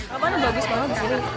apaan yang bagus banget disini